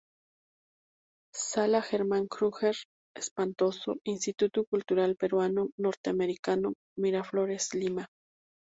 Sala Germán Krüger Espantoso, Instituto Cultural Peruano-Norteamericano, Miraflores, Lima.